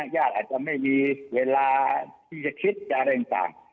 ญาติอาจจะไม่มีเวลาที่จะคิดจะอะไรต่าง